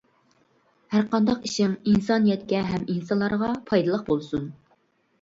ھەرقانداق ئىشىڭ ئىنسانىيەتكە ھەم ئىنسانلارغا پايدىلىق بولسۇن!